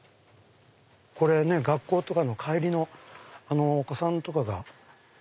これね学校とかの帰りのお子さんが。